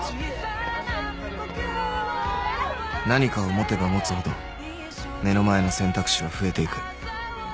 ・［何かを持てば持つほど目の前の選択肢は増えていく］